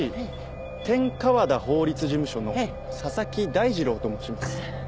河田法律事務所の佐々木大次郎と申します。